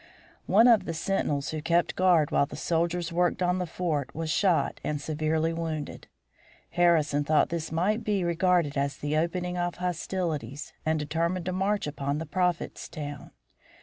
One of the sentinels who kept guard while the soldiers worked on the fort was shot and severely wounded. Harrison thought this might be regarded as the opening of hostilities, and determined to march upon the Prophet's town.